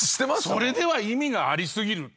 ⁉それでは意味があり過ぎる。